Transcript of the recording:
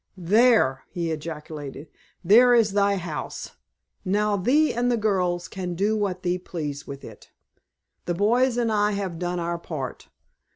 "There!" he ejaculated, "there is thy house, now thee and the girls can do what thee please with it. The boys and I have done our part.